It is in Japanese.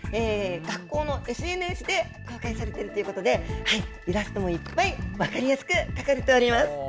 学校のＳＮＳで公開されているということで、イラストもいっぱい、分かりやすく書かれております。